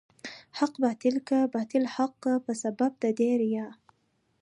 حق باطل کا، باطل حق کا په سبب د دې ريا